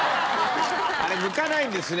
あれむかないんですね